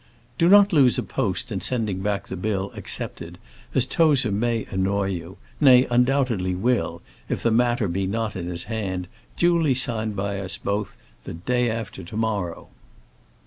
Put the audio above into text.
Do not lose a post in sending back the bill accepted, as Tozer may annoy you nay, undoubtedly will, if the matter be not in his hand, duly signed by both of us, the day after to morrow.